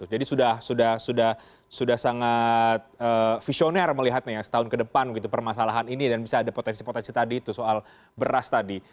jadi sudah sangat visioner melihatnya ya setahun ke depan begitu permasalahan ini dan bisa ada potensi potensi tadi itu soal beras tadi